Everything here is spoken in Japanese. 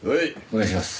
お願いします。